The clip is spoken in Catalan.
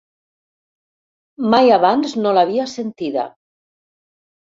Mai abans no l'havia sentida.